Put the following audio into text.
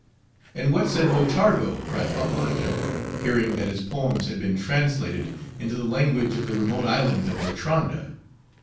"And what said Botargo," cried Babbalanja, "hearing that his poems had been translated into the language of the remote island of Bertranda?